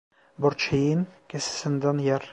Borç yiyen kesesinden yer.